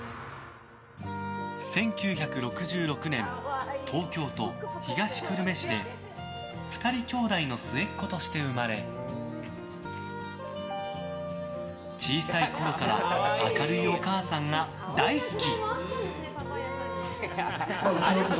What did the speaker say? １９６６年、東京都東久留米市で２人兄弟の末っ子として生まれ小さいころから明るいお母さんが大好き。